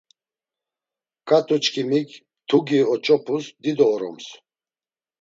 Ǩat̆uçkimik mtugi oç̌opus dido oroms.